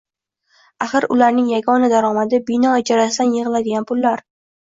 Axir ularning yagona daromadi bino ijarasidan yig`iladigan pullar